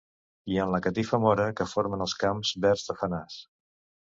I en la catifa mora que formen els camps verds de fenàs.